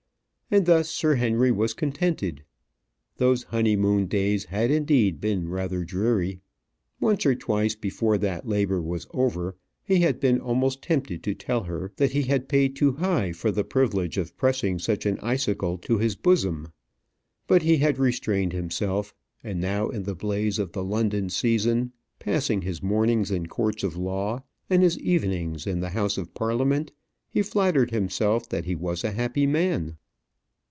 And thus Sir Henry was contented. Those honeymoon days had indeed been rather dreary. Once or twice before that labour was over he had been almost tempted to tell her that he had paid too high for the privilege of pressing such an icicle to his bosom. But he had restrained himself; and now in the blaze of the London season, passing his mornings in courts of law and his evenings in the House of Parliament, he flattered himself that he was a happy man.